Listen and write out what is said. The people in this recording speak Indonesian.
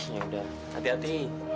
ya udah hati hati